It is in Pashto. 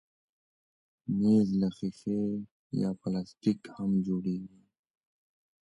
مېز له ښيښه یا پلاستیک هم جوړېږي.